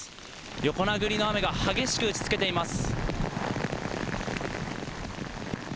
横殴りの雨が激しく打ちつけています。